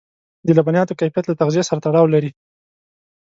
د لبنیاتو کیفیت له تغذيې سره تړاو لري.